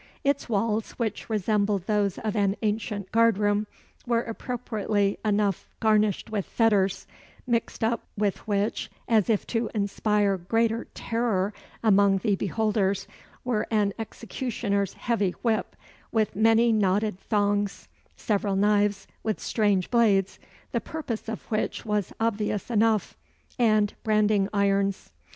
Its walls, which resembled those of an ancient guardroom, were appropriately enough garnished with fetters; mixed up with which, as if to inspire greater terror among the beholders, were an executioner's heavy whip, with many knotted thongs, several knives, with strange blades, the purpose of which was obvious enough, and branding irons.